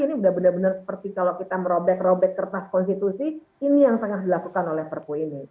ini udah benar benar seperti kalau kita merobek robek kertas konstitusi ini yang tengah dilakukan oleh perpu ini